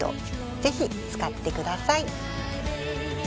ぜひ使ってください！